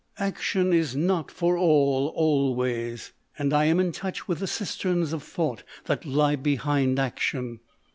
Action is not for all, always ; and I am in touch with the cisterns of thought that lie behind action.